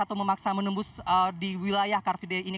atau memaksa menembus di wilayah car free day ini